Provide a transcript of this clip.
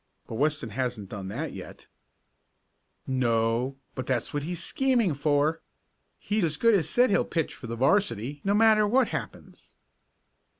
"But Weston hasn't done that yet." "No, but that's what he's scheming for. He as good as said that he'll pitch for the 'varsity no matter what happens."